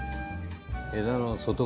枝の外側。